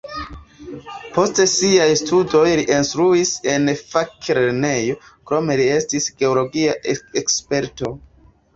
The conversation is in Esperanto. Post siaj studoj li instruis en faklernejo, krome li estis geologia eksperto.